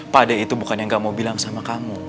pak d itu bukan yang gak mau bilang sama kamu